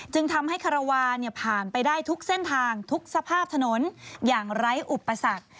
จึงทำให้คารวาลผ่านไปได้ทุกเส้นทางทุกสภาพถนนอย่างไร้อุปสรรค